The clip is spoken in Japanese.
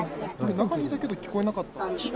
中にいたけど聞こえなかった？